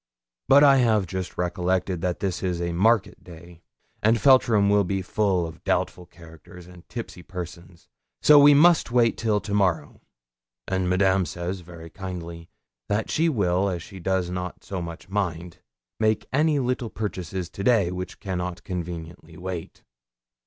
'But I have just recollected that this is a market day, and Feltram will be full of doubtful characters and tipsy persons, so we must wait till to morrow; and Madame says, very kindly, that she will, as she does not so much mind, make any little purchases to day which cannot conveniently wait.'